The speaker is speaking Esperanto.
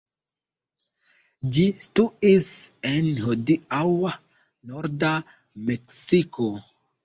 Ĝi situis en hodiaŭa norda Meksiko.